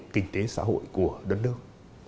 kinh tế xã hội của đất nước